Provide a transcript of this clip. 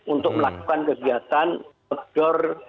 untuk melakukan kegiatan outdoor